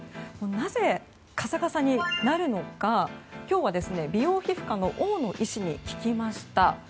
なぜカサカサになるのか今日は美容皮膚科の大野医師に聞きました。